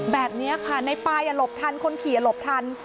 แบบนี้ค่ะในปลายหลบทันคนขี่หลบทัน